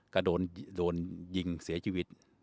ก็โดนยิงเสียชีวิต